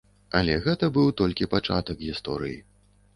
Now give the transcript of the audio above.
Але гэта быў толькі пачатак гісторыі.